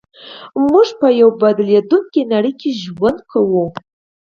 موږ په يوه بدلېدونکې نړۍ کې ژوند کوو.